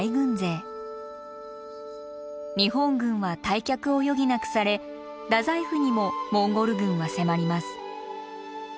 日本軍は退却を余儀なくされ太宰府にもモンゴル軍は迫ります。